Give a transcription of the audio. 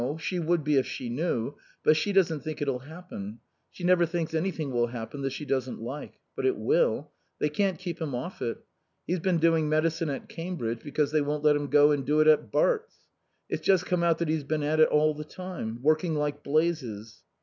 She would be if she knew. But she doesn't think it'll happen. She never thinks anything will happen that she doesn't like. But it will. They can't keep him off it. He's been doing medicine at Cambridge because they won't let him go and do it at Bart's. It's just come out that he's been at it all the time. Working like blazes."